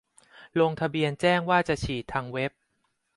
ลงทะเบียนแจ้งว่าจะฉีดทางเว็บ